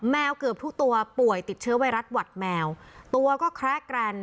เกือบทุกตัวป่วยติดเชื้อไวรัสหวัดแมวตัวก็แคละแกรน